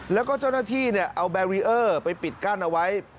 แล้วก็เจ้าหน้าที่เอาแบรีเออร์ไปปิดกั้นเอาไว้